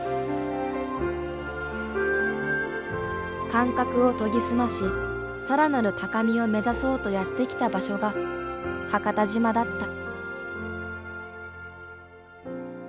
感覚を研ぎ澄まし更なる高みを目指そうとやって来た場所が伯方島だった。